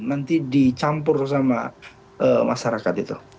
nanti dicampur sama masyarakat itu